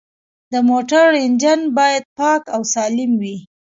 د موټر انجن باید پاک او سالم وي.